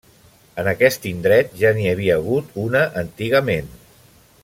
En aquest indret ja n'hi havia hagut una antigament.